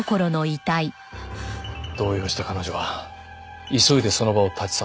動揺した彼女は急いでその場を立ち去った。